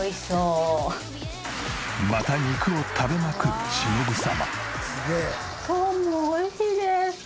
また肉を食べまくる忍様。